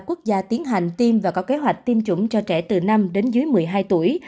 có năm mươi ba quốc gia tiến hành tiêm và có kế hoạch tiêm chủng cho trẻ từ năm đến dưới một mươi hai tuổi